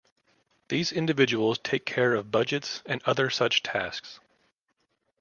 These individuals take care of budgets and other such tasks.